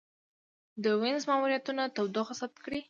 د وینوس ماموریتونه تودوخه ثبت کړې.